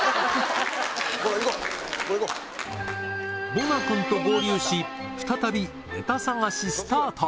ボナ君と合流し再びネタ探しスタート